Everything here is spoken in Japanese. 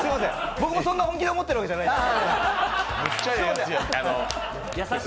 僕もそんなに本気で思ってるわけじゃないです。